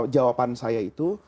jawaban saya itu